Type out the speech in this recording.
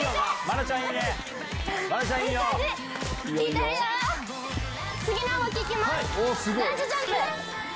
ランジジャンプ。